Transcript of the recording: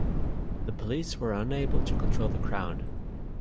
The police were unable to control the crowd.